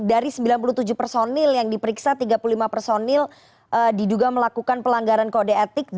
dari sembilan puluh tujuh personil yang diperiksa tiga puluh lima personil diduga melakukan pelanggaran kode etik